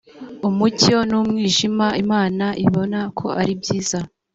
umucyo n umwijima imana ibona ko ari byiza